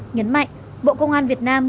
nhấn mạnh bộ công an việt nam